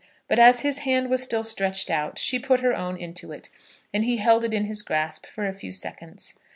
But as his hand was still stretched out she put her own into it, and he held it in his grasp for a few seconds.